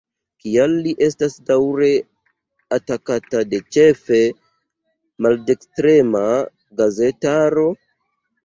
Kial li estas daŭre atakata de ĉefe maldekstrema gazetaro?